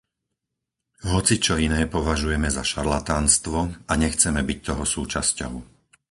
Hocičo iné považujeme za šarlatánstvo a nechceme byť toho súčasťou.